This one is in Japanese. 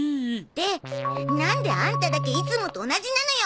でなんでアンタだけいつもと同じなのよ！